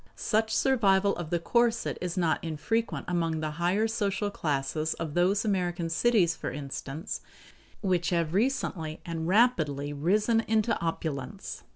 Such survival of the corset is not infrequent among the higher social classes of those American cities, for instance, which have recently and rapidly risen into opulence.